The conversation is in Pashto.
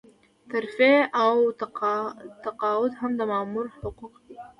ترفيع او تقاعد هم د مامور حقوق دي.